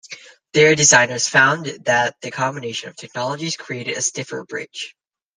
Their designers found that the combination of technologies created a stiffer bridge.